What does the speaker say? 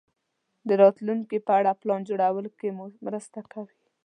د راتلونکې په اړه پلان جوړولو کې مو مرسته کوي.